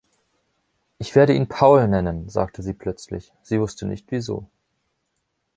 „Ich werde ihn Paul nennen“, sagte sie plötzlich; sie wusste nicht, wieso.